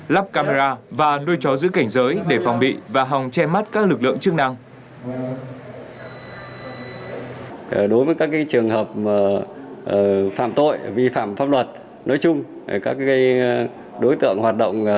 lắp camera và nuôi chó giữ cảnh giới để phòng bị và hòng che mắt các lực lượng chức năng